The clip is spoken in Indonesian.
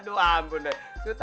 aduh ampun deh